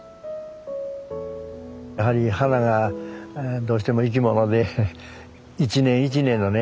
やはり花がどうしても生き物で一年一年のね